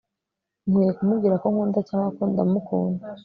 Nkwiye kumubwira ko nkunda cyangwa ko ndamukunda